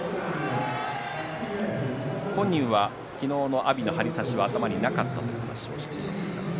本人は昨日の阿炎戦張り差しは頭になかったと話しています。